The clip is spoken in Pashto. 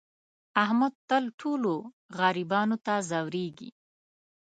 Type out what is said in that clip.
احمد تل ټولو غریبانو ته ځورېږي.